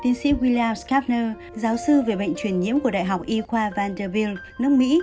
tiến sĩ william schaffner giáo sư về bệnh truyền nhiễm của đại học y khoa vanderbilt nước mỹ